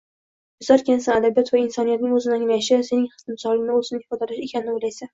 Yozarkansan, adabiyot bu insoniyatning oʻzini oʻzi anglashi, sening timsolingda oʻzini ifodalashi ekanini oʻylaysan